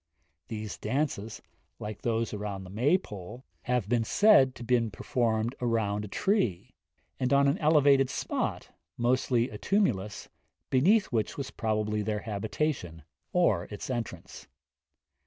These dances, like those round the Maypole, have been said to be performed round a tree; and on an elevated spot, mostly a tumulus, beneath which was probably their habitation, or its entrance.